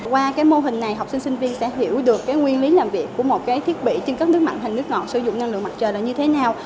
qua mô hình này học sinh sinh viên sẽ hiểu được nguyên lý làm việc của một thiết bị trên các nước mặn hành nước ngọt sử dụng năng lượng mặt trời là như thế nào